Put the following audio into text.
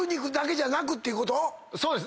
そうです。